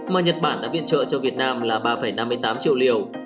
mà nhật bản đã viện trợ cho việt nam là ba năm mươi tám triệu liều